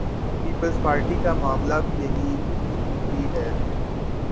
Peoples Party کا معاملہ بھی یہی بھی ہے۔